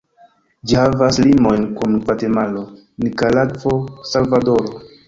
Ĝi havas limojn kun Gvatemalo, Nikaragvo, Salvadoro.